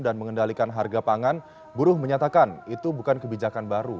dan mengendalikan harga pangan buruh menyatakan itu bukan kebijakan baru